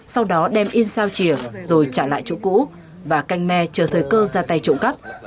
sau đó đem in sao chìa rồi trả lại chủ cũ và canh me chờ thời cơ ra tay trộm cắp